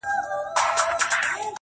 پرېولئ – په دې ترخو اوبو مو ځان مبارک _